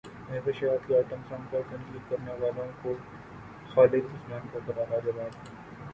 مہوش حیات کے item song پر تنقید کرنے والوں کو خالد عثمان کا کرارا جواب